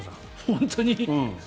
本当に？